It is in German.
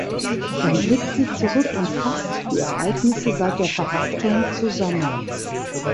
Dann blickt sie zurück und fasst die Ereignisse seit der Verhaftung zusammen.